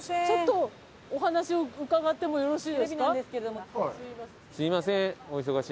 ちょっとお話を伺ってもよろしいですか？